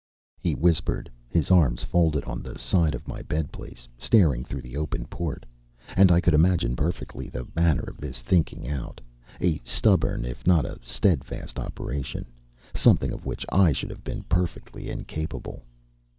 He whispered, his arms folded on the side of my bed place, staring through the open port. And I could imagine perfectly the manner of this thinking out a stubborn if not a steadfast operation; something of which I should have been perfectly incapable.